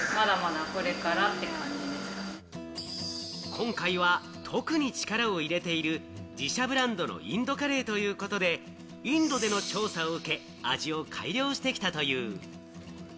今回は特に力を入れている自社ブランドのインドカレーということで、インドでの調査を受け、味を改良してきたという。